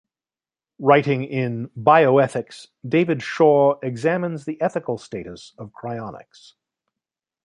Writing in "Bioethics", David Shaw examines the ethical status of cryonics.